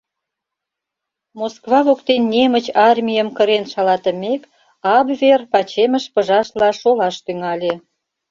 Москва воктен немыч армийым кырен шалатымек, абвер пачемыш пыжашла шолаш тӱҥале.